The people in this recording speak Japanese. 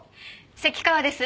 関川です。